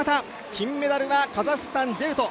金メダルはカザフスタンジェルト！